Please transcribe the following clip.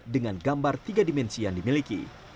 dengan gambar tiga dimensi yang dimiliki